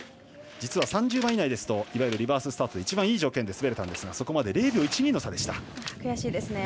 実は３０番以内ですとリバーススタートで一番いい条件で滑れたんですがそこまで０秒１２の差でした。